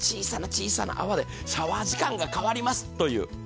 小さな泡でシャワー時間が変わりますという。